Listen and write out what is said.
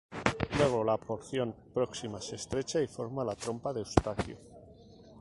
Luego la porción próxima se estrecha y forma la trompa de Eustaquio.